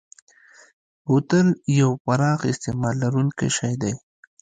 بوتل یو پراخ استعمال لرونکی شی دی.